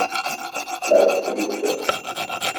Leicht verdientes Geld.